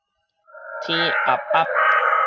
天合合